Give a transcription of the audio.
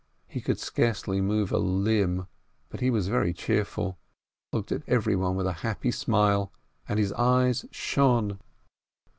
He could scarcely move a limb, but he was very cheerful, looked at every one with a happy smile, and his eyes shone.